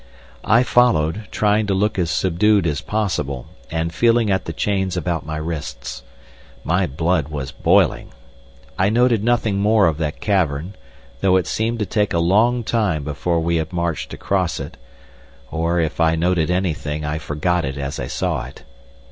I followed, trying to look as subdued as possible, and feeling at the chains about my wrists. My blood was boiling. I noted nothing more of that cavern, though it seemed to take a long time before we had marched across it, or if I noted anything I forgot it as I saw it.